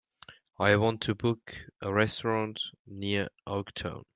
I want to book a restaurant near Oaktown.